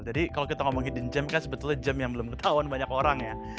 jadi kalau kita ngomong hidden gem kan sebetulnya gem yang belum ketahuan banyak orang ya